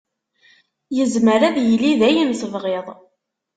Yezmer ad yili d ayen tebɣiḍ.